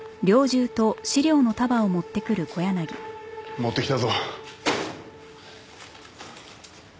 持ってきたぞ。